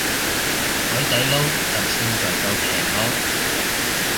海底撈就勝在夠平囉